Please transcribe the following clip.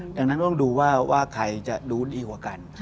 ดังนั้นต้องดูว่าใครจะดูดีกว่ากัน